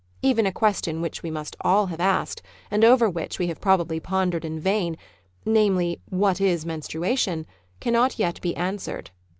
Even a question which we must all have asked, and over which we have pro bably pondered in vain — namely, what is menstrua tion.'' — cannot yet be answered.